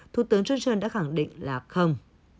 thủ tướng johnson đã khẳng định là không